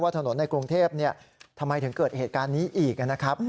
ถนนในกรุงเทพทำไมถึงเกิดเหตุการณ์นี้อีกนะครับ